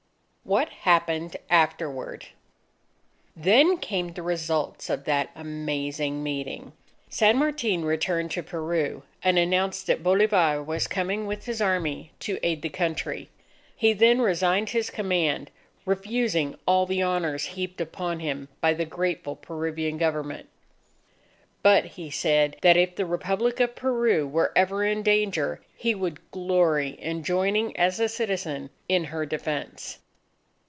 WHAT HAPPENED AFTERWARD Then came the results of that Amazing Meeting. San Martin returned to Peru, and announced that Bolivar was coming with his Army to aid the Country. He then resigned his command, refusing all the honours heaped upon him by the grateful Peruvian Government. But, he said, that if the Republic of Peru were ever in danger, he would glory in joining as a citizen in her defense.